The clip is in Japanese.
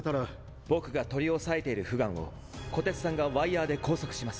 僕が取り押さえているフガンを虎徹さんがワイヤーで拘束します。